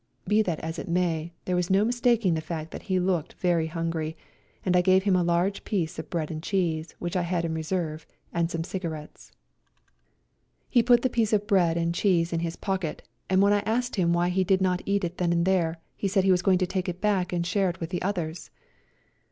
Be that as it may, there was no mistaking the fact that he looked very hungry, and I gave him a large piece of bread and cheese which I had in reserve and some cigarettes. GOOD BYE TO SERBIA 109 He put the piece of bread and cheese in his pocket, and when I asked him why he did not eat it then and there said he was going to take it back and share it with the others